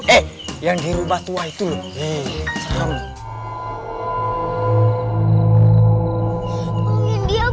eh yang di rumah tua itu loh hee serem